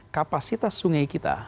kapasitas sungai kita